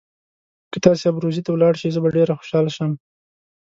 که تاسي ابروزي ته ولاړ شئ زه به ډېر خوشاله شم.